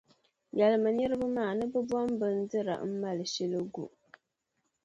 yɛlimi niriba maa ni bɛ bom’ bindira m-mali shili gu.